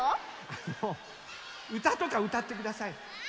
あのうたとかうたってください。